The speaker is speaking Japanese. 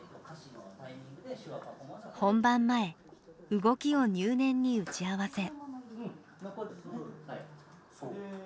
本番前動きを入念に打ち合わせ。